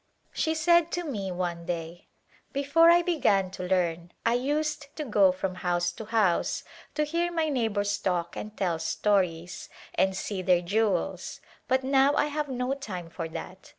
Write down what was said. She said to me one day, " Before I began to learn I used to go from house to house to hear my neighbors talk and tell stories, and see their jewels, but now I have no time for that.